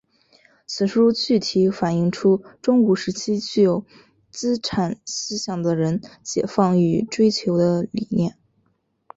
此书具体反映出中古时期具有资产思想的人解放与追求的理念。